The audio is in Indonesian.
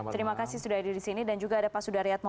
terima kasih sudah ada di sini dan juga ada pak sudaryatmo